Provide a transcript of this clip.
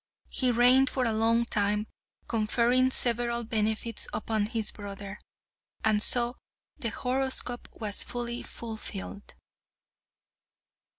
He reigned for a long time, conferring several benefits upon his brother. And so the horoscope was fully fulfilled.